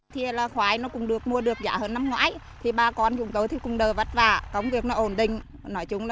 thì là khói nó cũng được mua được giá hơn năm ngoái thì bà con chúng tôi thì cũng đỡ vất vả công việc nó ổn định